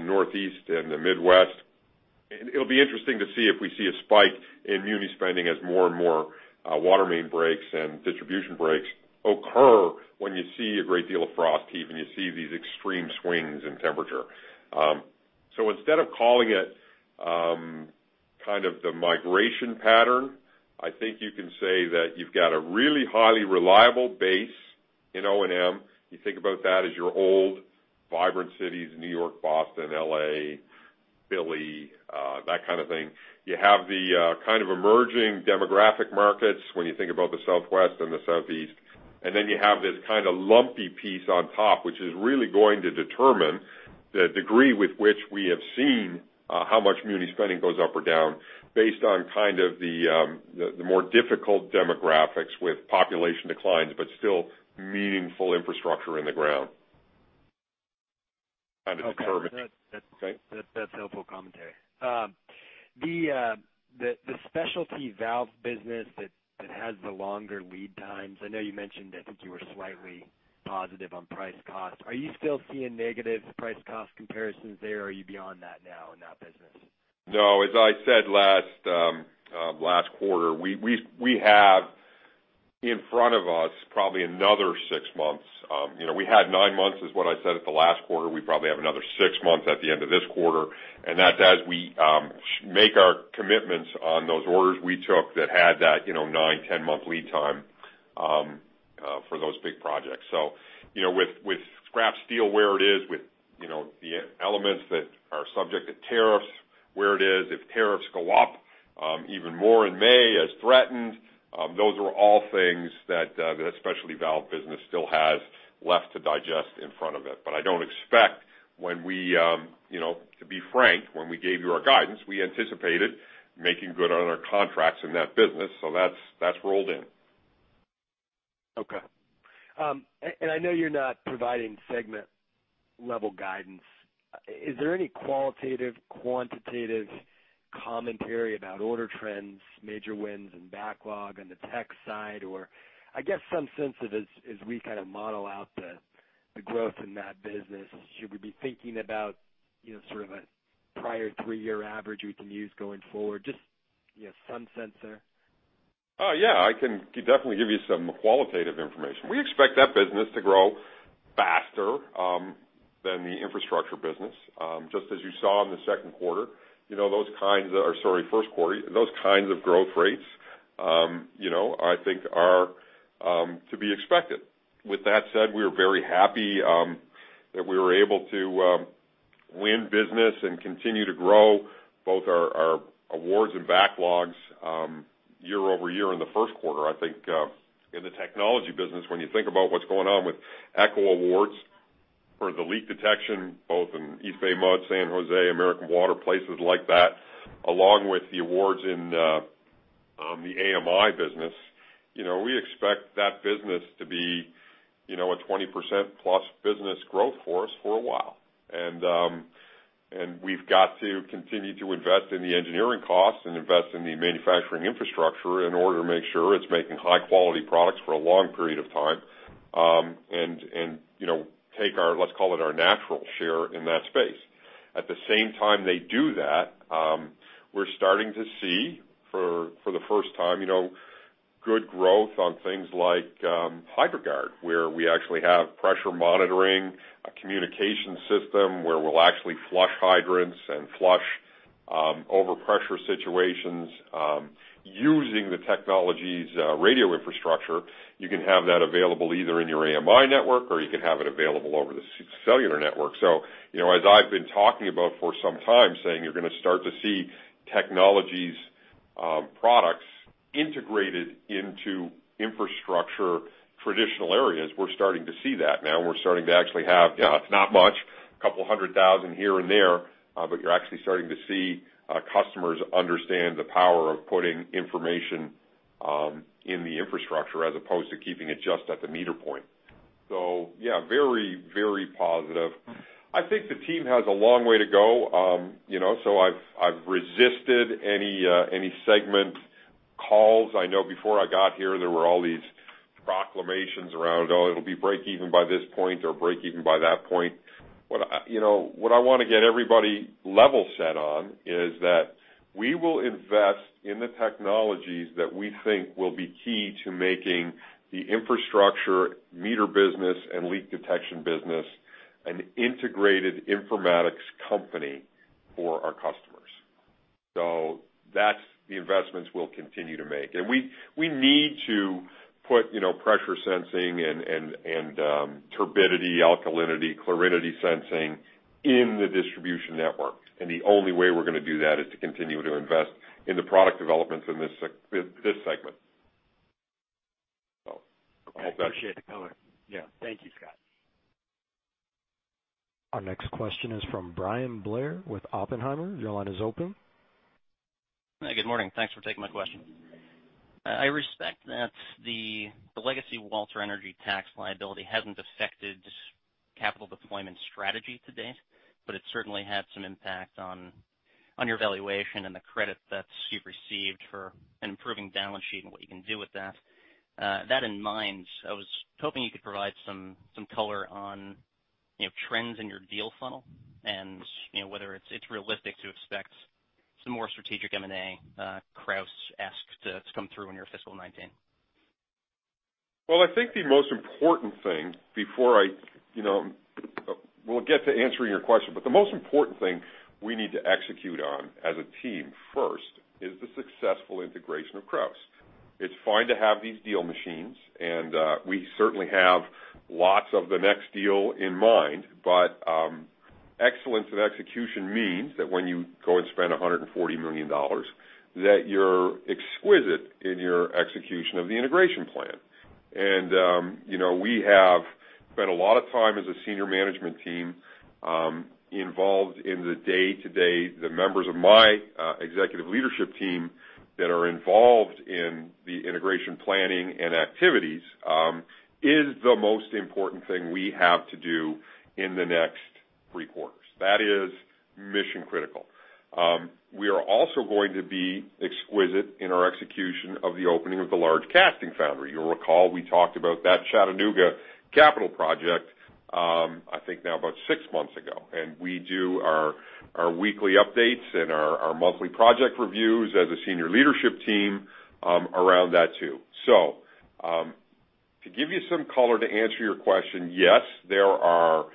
Northeast and the Midwest, it'll be interesting to see if we see a spike in muni spending as more and more water main breaks and distribution breaks occur when you see a great deal of frost heaving, you see these extreme swings in temperature. Instead of calling it the migration pattern, I think you can say that you've got a really highly reliable base in O&M. You think about that as your old, vibrant cities, New York, Boston, L.A., Philly, that kind of thing. You have the emerging demographic markets when you think about the Southwest and the Southeast, and then you have this kind of lumpy piece on top, which is really going to determine the degree with which we have seen how much muni spending goes up or down based on the more difficult demographics with population declines, but still meaningful infrastructure in the ground. Okay. That's helpful commentary. The specialty valve business that has the longer lead times, I know you mentioned, I think you were slightly positive on price cost. Are you still seeing negative price cost comparisons there, or are you beyond that now in that business? No, as I said last quarter, we have in front of us probably another six months. We had nine months is what I said at the last quarter. We probably have another six months at the end of this quarter. That's as we make our commitments on those orders we took that had that nine, 10-month lead time for those big projects. With scrap steel where it is, with the elements that are subject to tariffs where it is, if tariffs go up even more in May as threatened, those are all things that that specialty valve business still has left to digest in front of it. I don't expect, to be frank, when we gave you our guidance, we anticipated making good on our contracts in that business. That's rolled in. Okay. I know you're not providing segment-level guidance. Is there any qualitative, quantitative commentary about order trends, major wins, and backlog on the tech side? I guess, some sense of as we kind of model out the growth in that business, should we be thinking about sort of a prior three-year average we can use going forward? Just some sense there. Yeah, I can definitely give you some qualitative information. We expect that business to grow faster than the infrastructure business. Just as you saw in the first quarter, those kinds of growth rates, I think are to be expected. With that said, we are very happy that we were able to win business and continue to grow both our awards and backlogs year-over-year in the first quarter. I think in the technology business, when you think about what's going on with Echologics awards for the leak detection, both in EBMUD, San Jose, American Water, places like that, along with the awards in the AMI business, we expect that business to be a 20%-plus business growth for us for a while. We've got to continue to invest in the engineering costs and invest in the manufacturing infrastructure in order to make sure it's making high-quality products for a long period of time, and take our, let's call it, our natural share in that space. At the same time they do that, we're starting to see for the first time, good growth on things like Hydro-Guard, where we actually have pressure monitoring, a communication system where we'll actually flush hydrants and flush overpressure situations using the technology's radio infrastructure. You can have that available either in your AMI network or you can have it available over the cellular network. As I've been talking about for some time, saying you're going to start to see technologies products integrated into infrastructure traditional areas. We're starting to see that now. We're starting to actually have, it's not much, couple hundred thousand here and there, but you're actually starting to see customers understand the power of putting information in the infrastructure as opposed to keeping it just at the meter point. Yeah, very positive. I think the team has a long way to go. I've resisted any segment calls. I know before I got here, there were all these proclamations around, "Oh, it'll be break even by this point or break even by that point." What I want to get everybody level set on is that we will invest in the technologies that we think will be key to making the infrastructure meter business and leak detection business an integrated informatics company for our customers. That's the investments we'll continue to make. We need to put pressure sensing and turbidity, alkalinity, clarity sensing in the distribution network. The only way we're going to do that is to continue to invest in the product developments in this segment. I appreciate the color. Yeah. Thank you, Scott. Our next question is from Bryan Blair with Oppenheimer. Your line is open. Good morning. Thanks for taking my question. I respect that the legacy Walter Energy tax liability hasn't affected capital deployment strategy to date, but it certainly had some impact on your valuation and the credit that you've received for an improving balance sheet and what you can do with that. That in mind, I was hoping you could provide some color on trends in your deal funnel and whether it's realistic to expect some more strategic M&A Krausz-esque to come through in your fiscal 2019. Well, I think the most important thing, we'll get to answering your question, the most important thing we need to execute on as a team first is the successful integration of Krausz. It's fine to have these deal machines, and we certainly have lots of the next deal in mind, but excellence in execution means that when you go and spend $140 million, that you're exquisite in your execution of the integration plan. We have spent a lot of time as a senior management team involved in the day-to-day. The members of my executive leadership team that are involved in the integration planning and activities, is the most important thing we have to do in the next three quarters. That is mission-critical. We are also going to be exquisite in our execution of the opening of the large casting foundry. You'll recall we talked about that Chattanooga capital project, I think now about six months ago. We do our weekly updates and our monthly project reviews as a senior leadership team around that, too. To give you some color, to answer your question, yes, there are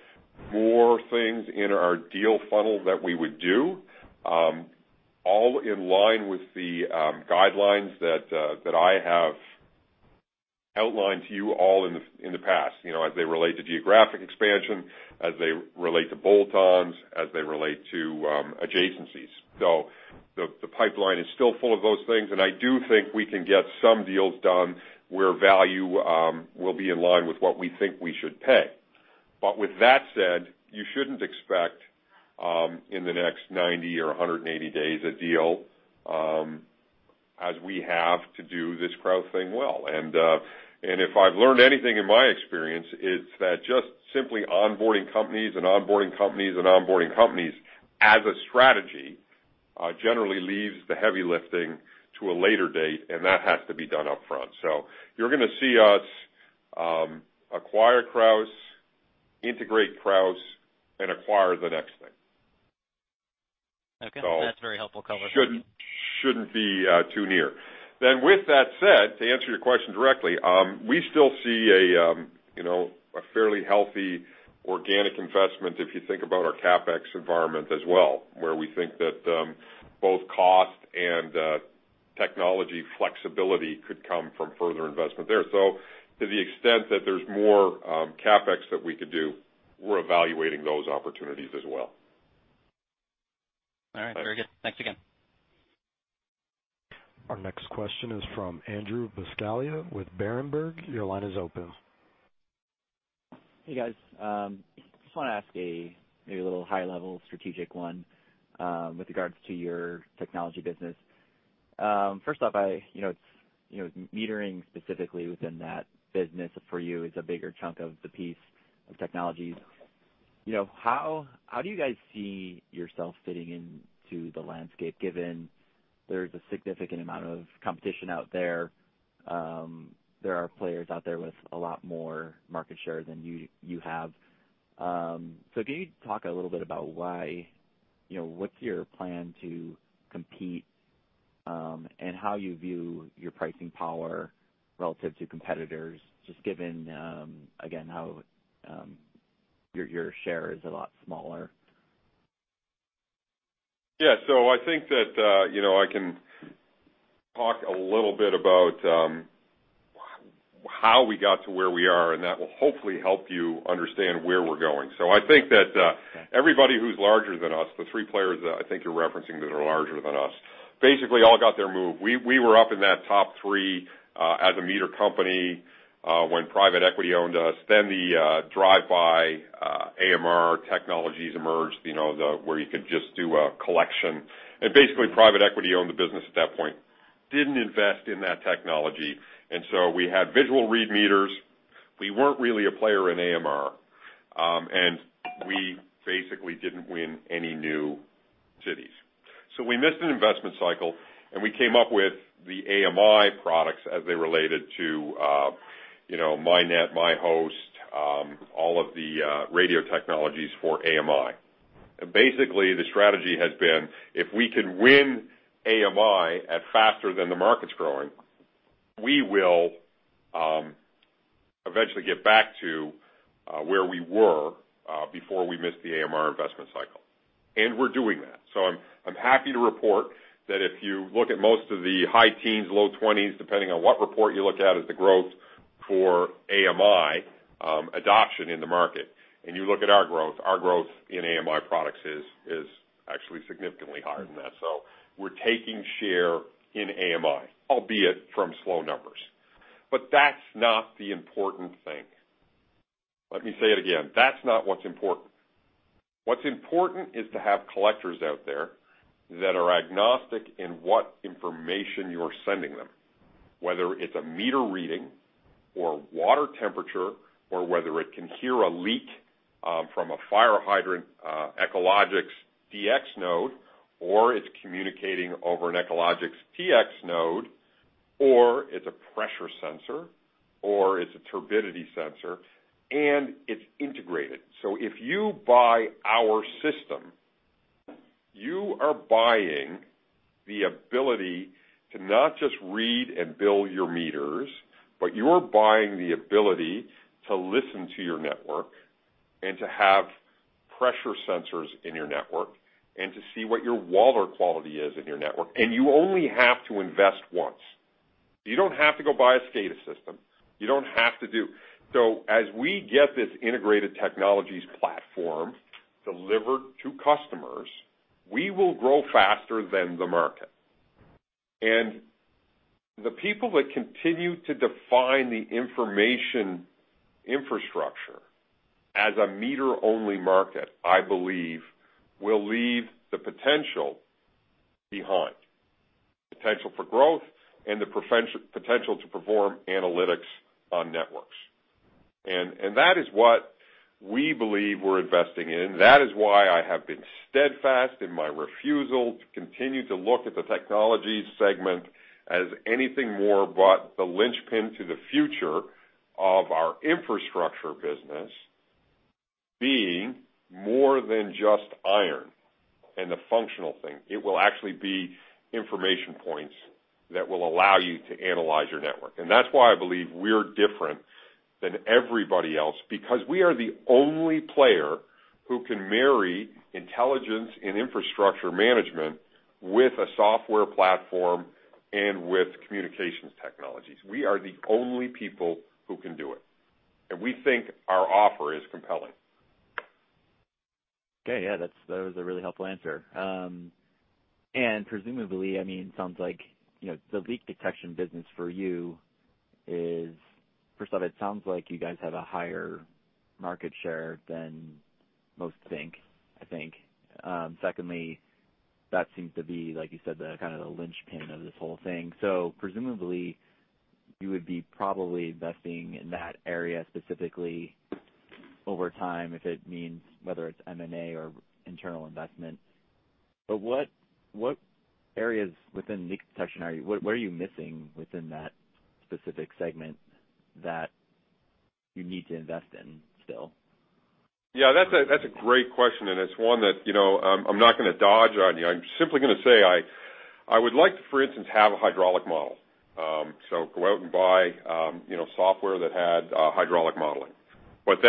more things in our deal funnel that we would do, all in line with the guidelines that I have outlined to you all in the past, as they relate to geographic expansion, as they relate to bolt-ons, as they relate to adjacencies. The pipeline is still full of those things, and I do think we can get some deals done where value will be in line with what we think we should pay. With that said, you shouldn't expect in the next 90 or 180 days a deal, as we have to do this Krausz thing well. If I've learned anything in my experience, it's that just simply onboarding companies and onboarding companies and onboarding companies as a strategy, generally leaves the heavy lifting to a later date, and that has to be done upfront. You're going to see us acquire Krausz, integrate Krausz, and acquire the next thing. Okay. That's very helpful color. With that said, to answer your question directly, we still see a fairly healthy organic investment if you think about our CapEx environment as well, where we think that both cost and technology flexibility could come from further investment there. To the extent that there's more CapEx that we could do, we're evaluating those opportunities as well. All right. Very good. Thanks again. Our next question is from Andrew Buscaglia with Berenberg. Your line is open. Hey, guys. Just want to ask a maybe a little high-level strategic one with regards to your technology business. First off, metering specifically within that business for you is a bigger chunk of the piece of technologies. How do you guys see yourself fitting into the landscape, given there's a significant amount of competition out there? There are players out there with a lot more market share than you have. Can you talk a little bit about what's your plan to compete, and how you view your pricing power relative to competitors, just given, again, how your share is a lot smaller? I think that I can talk a little bit about how we got to where we are, and that will hopefully help you understand where we are going. I think that everybody who is larger than us, the three players that I think you are referencing that are larger than us, basically all got their move. We were up in that top three as a meter company when private equity owned us. The drive-by AMR technologies emerged, where you could just do a collection. Private equity owned the business at that point. Did not invest in that technology, we had visual read meters. We were not really a player in AMR, and we basically did not win any new cities. We missed an investment cycle, and we came up with the AMI products as they related to Mi.Net, Mi.Host, all of the radio technologies for AMI. The strategy has been, if we can win AMI at faster than the market is growing, we will eventually get back to where we were, before we missed the AMR investment cycle. We are doing that. I am happy to report that if you look at most of the high teens, low 20s, depending on what report you look at, is the growth for AMI adoption in the market, and you look at our growth, our growth in AMI products is actually significantly higher than that. We are taking share in AMI, albeit from slow numbers. That is not the important thing. Let me say it again. That is not what is important. What is important is to have collectors out there that are agnostic in what information you are sending them, whether it is a meter reading or water temperature or whether it can hear a leak from a fire hydrant, EchoShore-DX node, or it is communicating over an EchoShore-TX node, or it is a pressure sensor, or it is a turbidity sensor, and it is integrated. If you buy our system, you are buying the ability to not just read and bill your meters, but you are buying the ability to listen to your network and to have pressure sensors in your network and to see what your water quality is in your network. You only have to invest once. You do not have to go buy a SCADA system. You do not have to do. As we get this integrated technologies platform delivered to customers, we will grow faster than the market. The people that continue to define the information infrastructure as a meter-only market, I believe, will leave the potential behind. Potential for growth and the potential to perform analytics on networks. That is what we believe we are investing in. That is why I have been steadfast in my refusal to continue to look at the technologies segment as anything more but the linchpin to the future of our infrastructure business being more than just iron and the functional thing. It will actually be information points that will allow you to analyze your network. That is why I believe we are different than everybody else, because we are the only player who can marry intelligence and infrastructure management with a software platform and with communications technologies. We are the only people who can do it. We think our offer is compelling. Okay. Yeah, that was a really helpful answer. Presumably, it sounds like, the leak detection business for you is, first off, it sounds like you guys have a higher market share than most think. Secondly, that seems to be, like you said, the linchpin of this whole thing. Presumably, you would be probably investing in that area specifically over time if it means whether it's M&A or internal investment. What areas within leak detection are you missing within that specific segment that you need to invest in still? That's a great question, it's one that I'm not going to dodge on you. I'm simply going to say, I would like to, for instance, have a hydraulic model. Go out and buy software that had hydraulic modeling. At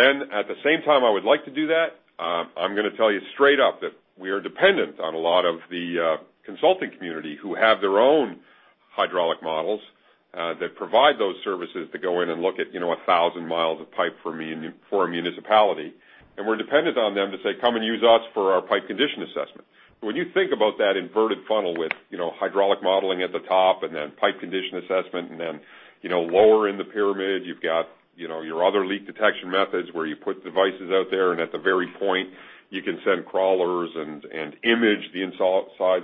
the same time I would like to do that, I'm going to tell you straight up that we are dependent on a lot of the consulting community who have their own hydraulic models, that provide those services to go in and look at 1,000 mi of pipe for a municipality. We're dependent on them to say, "Come and use us for our pipe condition assessment." When you think about that inverted funnel with hydraulic modeling at the top and then pipe condition assessment, and then lower in the pyramid, you've got your other leak detection methods where you put devices out there, and at the very point, you can send crawlers and image the inside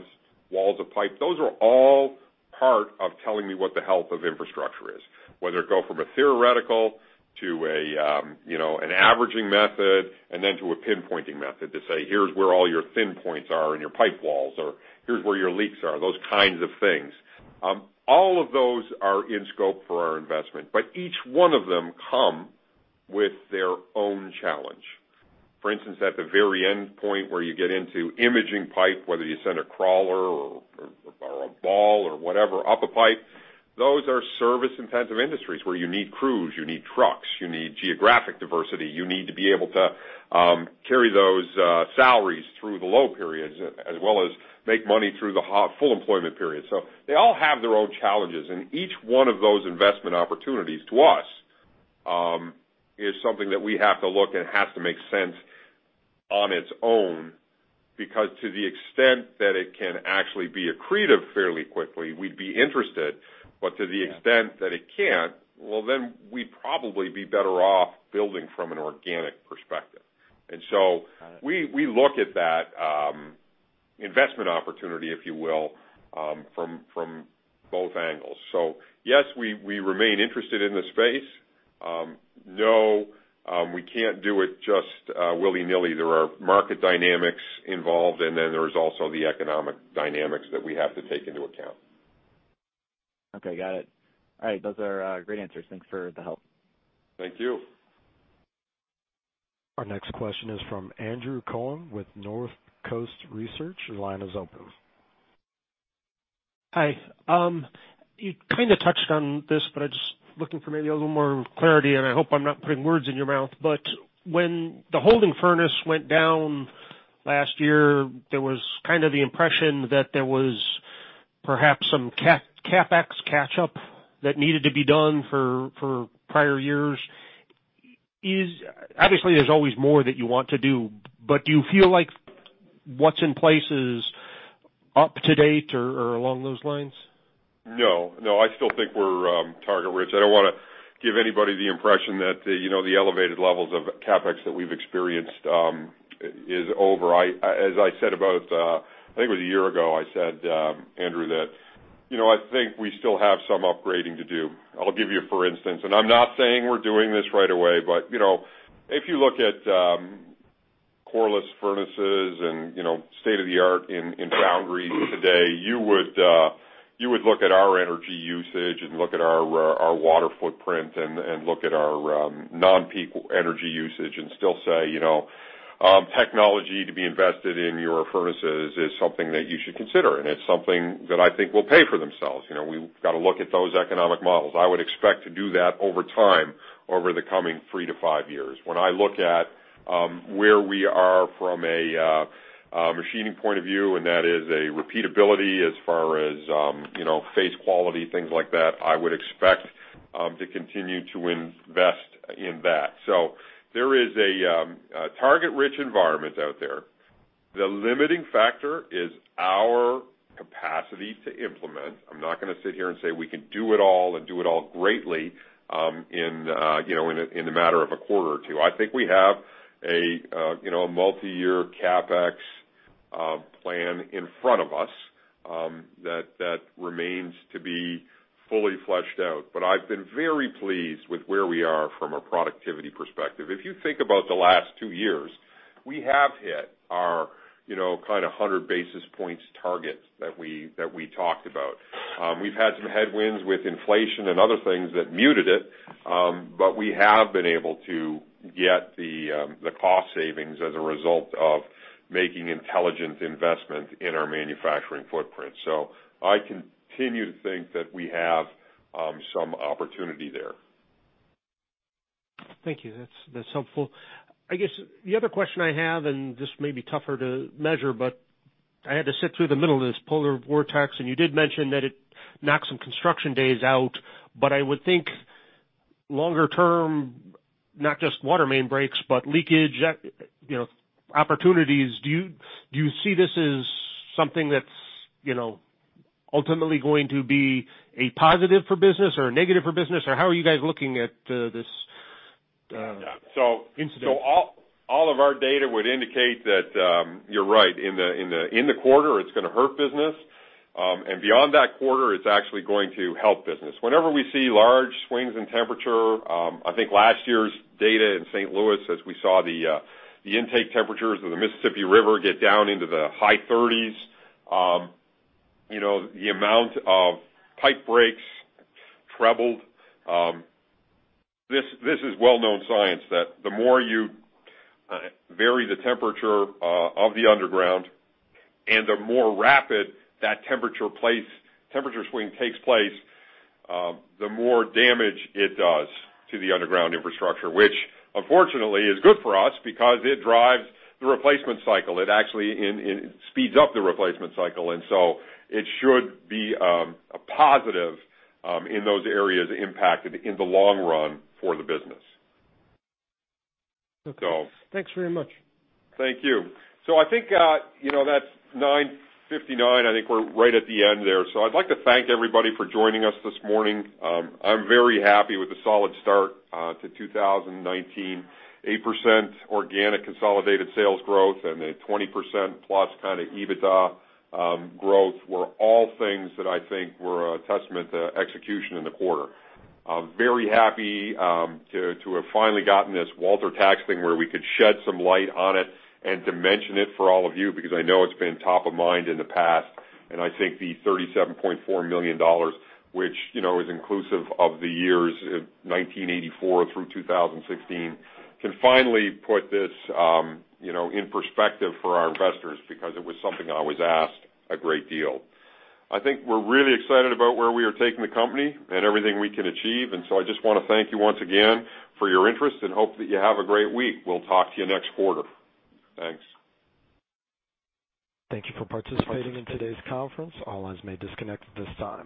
walls of pipe. Those are all part of telling me what the health of infrastructure is, whether it go from a theoretical to an averaging method, and then to a pinpointing method to say, "Here's where all your thin points are in your pipe walls," or "Here's where your leaks are," those kinds of things. All of those are in scope for our investment, each one of them come with their own challenge. For instance, at the very end point where you get into imaging pipe, whether you send a crawler or a ball or whatever up a pipe, those are service-intensive industries where you need crews, you need trucks, you need geographic diversity. You need to be able to carry those salaries through the low periods, as well as make money through the full employment period. They all have their own challenges, each one of those investment opportunities to us, is something that we have to look and has to make sense on its own, because to the extent that it can actually be accretive fairly quickly, we'd be interested. To the extent that it can't, well, we'd probably be better off building from an organic perspective. Got it. We look at that investment opportunity, if you will, from both angles. Yes, we remain interested in the space. No, we can't do it just willy-nilly. There are market dynamics involved, and then there is also the economic dynamics that we have to take into account. Okay, got it. All right. Those are great answers. Thanks for the help. Thank you. Our next question is from Andrew Cohen with Northcoast Research. Your line is open. Hi. You kind of touched on this, but I just looking for maybe a little more clarity, and I hope I'm not putting words in your mouth, but when the holding furnace went down last year, there was kind of the impression that there was perhaps some CapEx catch-up that needed to be done for prior years. Obviously, there's always more that you want to do, but do you feel like what's in place is up to date or along those lines? No. No, I still think we're target-rich. I don't want to give anybody the impression that the elevated levels of CapEx that we've experienced is over. As I said about, I think it was a year ago, I said, Andrew, that I think we still have some upgrading to do. I'll give you a for instance, and I'm not saying we're doing this right away, but if you look at coreless furnaces and state-of-the-art in foundries today, you would look at our energy usage and look at our water footprint and look at our non-peak energy usage and still say, technology to be invested in your furnaces is something that you should consider, and it's something that I think will pay for themselves. We've got to look at those economic models. I would expect to do that over time, over the coming three to five years. When I look at where we are from a machining point of view, and that is a repeatability as far as face quality, things like that, I would expect to continue to invest in that. There is a target-rich environment out there. The limiting factor is our capacity to implement. I'm not going to sit here and say we can do it all and do it all greatly in a matter of a quarter or two. I think we have a multi-year CapEx plan in front of us that remains to be fully fleshed out. I've been very pleased with where we are from a productivity perspective. If you think about the last two years, we have hit our kind of 100 basis points target that we talked about. We've had some headwinds with inflation and other things that muted it, but we have been able to get the cost savings as a result of making intelligent investment in our manufacturing footprint. I continue to think that we have some opportunity there. Thank you. That's helpful. I guess the other question I have, and this may be tougher to measure, but I had to sit through the middle of this polar vortex, and you did mention that it knocked some construction days out, but I would think longer term, not just water main breaks, but leakage, opportunities. Do you see this as something that's ultimately going to be a positive for business or a negative for business? How are you guys looking at this incident? All of our data would indicate that you're right. In the quarter, it's going to hurt business. Beyond that quarter, it's actually going to help business. Whenever we see large swings in temperature, I think last year's data in St. Louis, as we saw the intake temperatures of the Mississippi River get down into the high 30s, the amount of pipe breaks tripled. This is well-known science, that the more you vary the temperature of the underground and the more rapid that temperature swing takes place, the more damage it does to the underground infrastructure, which, unfortunately, is good for us because it drives the replacement cycle. It actually speeds up the replacement cycle, it should be a positive in those areas impacted in the long run for the business. Okay. Thanks very much. Thank you. I think that's 9:59 A.M. I think we're right at the end there. I'd like to thank everybody for joining us this morning. I'm very happy with the solid start to 2019. 8% organic consolidated sales growth and a 20%+ kind of EBITDA growth were all things that I think were a testament to execution in the quarter. Very happy to have finally gotten this Walter tax thing where we could shed some light on it and to mention it for all of you because I know it's been top of mind in the past, and I think the $37.4 million, which is inclusive of the years 1984 through 2016, can finally put this in perspective for our investors because it was something I was asked a great deal. I think we're really excited about where we are taking the company and everything we can achieve. I just want to thank you once again for your interest and hope that you have a great week. We'll talk to you next quarter. Thanks. Thank you for participating in today's conference. All lines may disconnect at this time.